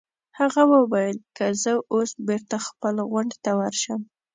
هغه وویل: که زه اوس بېرته خپل غونډ ته ورشم.